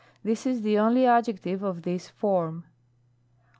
This is the only adjective of this form.